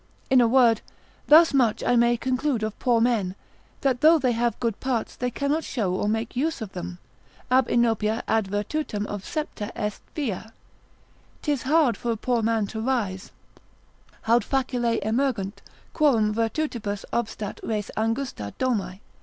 In a word, thus much I may conclude of poor men, that though they have good parts they cannot show or make use of them: ab inopia ad virtutem obsepta est via, 'tis hard for a poor man to rise, haud facile emergunt, quorum virtutibus obstat res angusta domi.